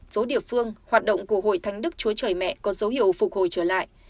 số địa phương hoạt động của hội thánh đức chúa trời mẹ có dấu hiệu phục hồi trở lại